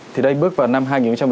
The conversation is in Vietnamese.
thì đây bước vào năm hai nghìn một mươi